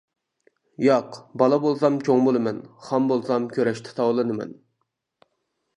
ياق، «بالا» بولسام چوڭ بولىمەن خام بولسام كۈرەشتە تاۋلىنىمەن.